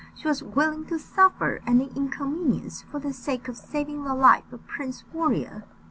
She was willing to suffer any inconvenience for the sake of saving the life of Prince Warrior.